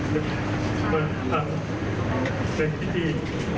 เป็นพิธี